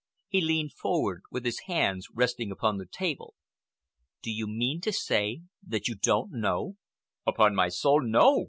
He leaned forward with his hands resting upon the table. "Do you mean to say that you do not know?" "Upon my soul, no!"